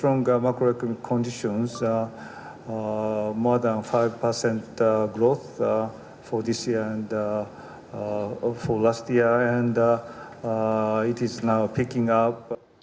kondisi makroekonomi ini lebih dari lima persen untuk tahun lalu dan sekarang sedang menambah